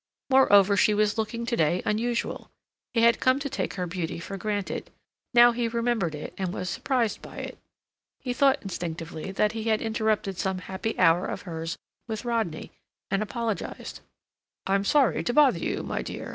Moreover, she was looking to day unusual; he had come to take her beauty for granted; now he remembered it and was surprised by it. He thought instinctively that he had interrupted some happy hour of hers with Rodney, and apologized. "I'm sorry to bother you, my dear.